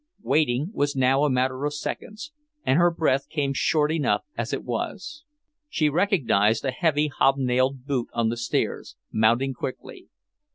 Waiting was now a matter of seconds, and her breath came short enough as it was. She recognized a heavy, hob nailed boot on the stairs, mounting quickly.